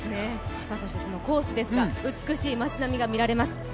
そのコースですが美しい町並みが見られます。